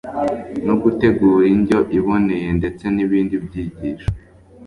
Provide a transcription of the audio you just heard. no gutegura indyo iboneye ndetse nibindi byigisho